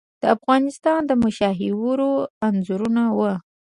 د افغانستان د مشاهیرو انځورونه وو.